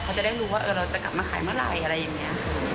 เขาจะได้รู้ว่าเราจะกลับมาขายเมื่อไหร่อะไรอย่างนี้ค่ะ